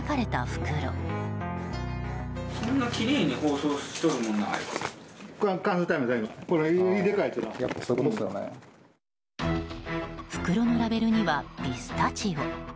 袋のラベルにはピスタチオ。